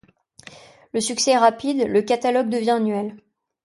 Le succès est rapide, le catalogue devient annuel.